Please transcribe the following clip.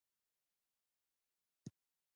د افغانستان منتو مشهور دي